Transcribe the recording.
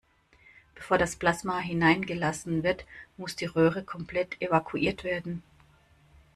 Bevor das Plasma hineingelassen wird, muss die Röhre komplett evakuiert werden.